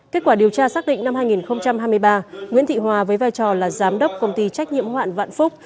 kết quả điều tra xác định năm hai nghìn hai mươi ba nguyễn thị hòa với vai trò là giám đốc công ty trách nhiệm hoạn vạn phúc